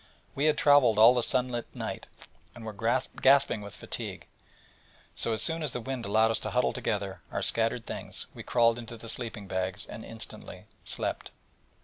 We had travelled all the sun lit night, and were gasping with fatigue; so as soon as the wind allowed us to huddle together our scattered things, we crawled into the sleeping bags, and instantly slept.